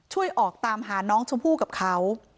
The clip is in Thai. ช่วยออกตามหาน้องชมพู่กับเขา